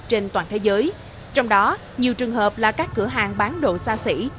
trên toàn thế giới trong đó nhiều trường hợp là các cửa hàng bán đồ xa xỉ